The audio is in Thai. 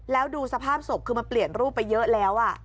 แล้วดูสภาพศพคือมันเปลี่ยนรูปไปเยอะแล้ว